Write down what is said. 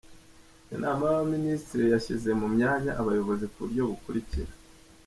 Inama y’Abaminisitiri yashyize mu myanya Abayobozi ku buryo bukurikira: